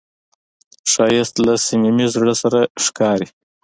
ښایست له صمیمي زړه سره ښکاري